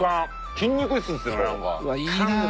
筋肉質ですよねなんか。